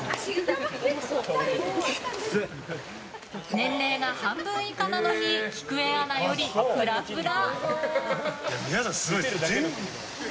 年齢が半分以下なのにきくえアナより、フラフラ。